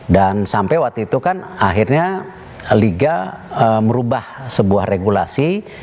dan sampai waktu itu kan akhirnya liga merubah sebuah regulasi